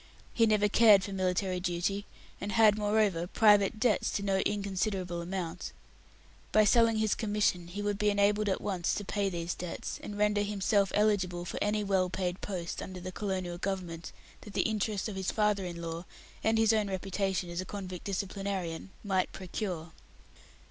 He never cared for military duty, and had, moreover, private debts to no inconsiderable amount. By selling his commission he would be enabled at once to pay these debts, and render himself eligible for any well paid post under the Colonial Government that the interest of his father in law, and his own reputation as a convict disciplinarian, might procure.